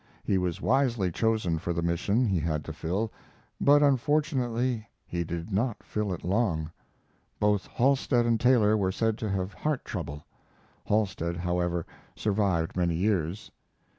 He was wisely chosen for the mission he had to fill, but unfortunately he did not fill it long. Both Halstead and Taylor were said to have heart trouble. Halstead, however, survived many years.